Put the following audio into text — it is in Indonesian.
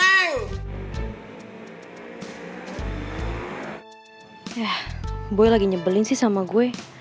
yah boy lagi nyebelin sih sama gue